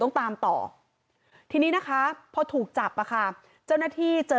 ต้องตามต่อทีนี้นะคะพอถูกจับอ่ะค่ะเจ้าหน้าที่เจอ